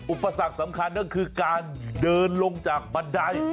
อุปสรรคสำคัญก็คือการเดินลงจากบันได